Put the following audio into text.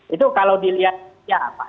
itu kalau dilihat ya apa